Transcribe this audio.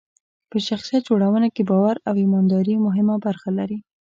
په شخصیت جوړونه کې باور او ایمانداري مهمه برخه لري.